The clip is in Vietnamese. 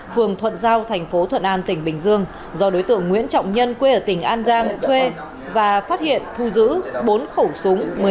phường thuận giao thành phố thuận an tỉnh bình dương do đối tượng nguyễn trọng nhân quê ở tỉnh an giang thuê và phát hiện thu giữ bốn khẩu súng